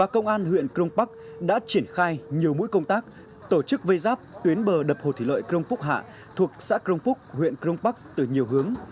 công an huyện crong park đã triển khai nhiều mũi công tác tổ chức vây giáp tuyến bờ đập hồ thủy lợi crong phúc hạ thuộc xã crong phúc huyện crong park từ nhiều hướng